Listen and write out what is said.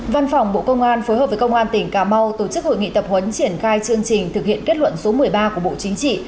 văn phòng bộ công an phối hợp với công an tỉnh cà mau tổ chức hội nghị tập huấn triển khai chương trình thực hiện kết luận số một mươi ba của bộ chính trị